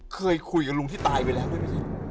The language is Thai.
เคยคุยกับลุงที่ตายไปแล้วด้วยไหมครับ